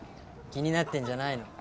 気になってんじゃないの？